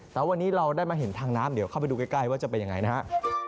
แต่วันนี้เราได้มาเห็นทางน้ำเดี๋ยวเข้าไปดูใกล้ว่าจะเป็นยังไงนะครับ